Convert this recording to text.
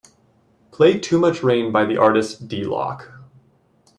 Play Too Much Rain by the artist D-loc.